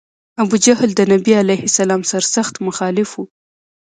ابوجهل د نبي علیه السلام سر سخت مخالف و.